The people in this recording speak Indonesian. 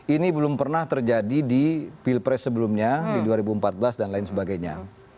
ini belum pernah terjadi di pilpres sebelumnya di dua ribu empat belas dan lain sebagainya